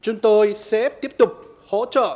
chúng tôi sẽ tiếp tục hỗ trợ